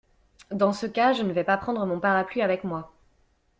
Dans ce cas, je ne vais pas prendre mon parapluie avec moi.